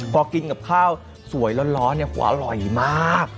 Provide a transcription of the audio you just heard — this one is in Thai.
พอกินกับข้าวสวยร้อนอร่อยมาก